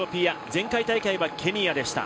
前回大会はケニアでした。